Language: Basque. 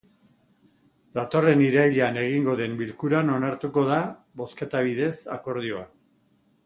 Datorren irailean egingo den bilkuran onartuko da, botaketa bidez, akordioa.